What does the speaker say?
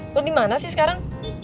lo dimana sih sekarang